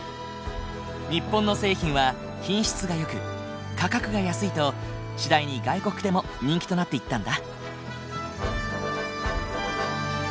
日本の製品は品質がよく価格が安いと次第に外国でも人気となっていったんだ。